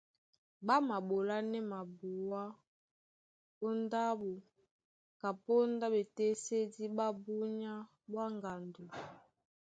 Ɓá maɓolánɛ́ mabuá ó ndáɓo kapóndá ɓetésédí ɓá búnyá ɓwá ŋgando,